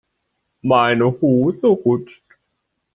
Meine Hose rutscht.